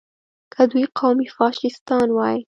که دوی قومي فشیستان وای.